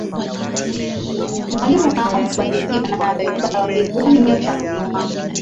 Mwalimu naomba kubarikiwa nawe. Baba wa mbinguni nyosha mkono wako.